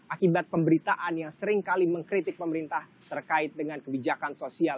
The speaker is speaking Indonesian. akibat pemberitaan yang seringkali mengkritik pemerintah terkait dengan kebijakan sosial